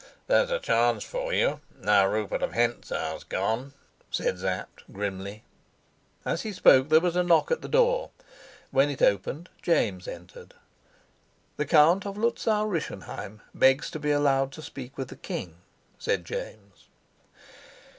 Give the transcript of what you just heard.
"There's a chance for you, now Rupert of Hentzau's gone," said Sapt grimly. As he spoke there was a knock at the door. When it opened James entered. "The Count of Luzau Rischenheim begs to be allowed to speak with the king," said James.